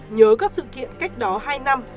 nhớ các sự kiện cách đó hai năm